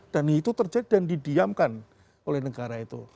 dan itu terjadi dan didiamkan oleh negara itu